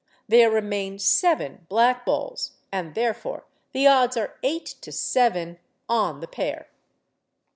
There remain seven black balls, and therefore the odds are 8 to 7 on the pair.